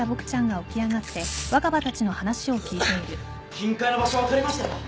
金塊の場所分かりましたよ！